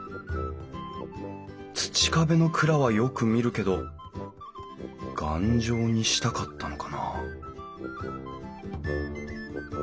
土壁の蔵はよく見るけど頑丈にしたかったのかな？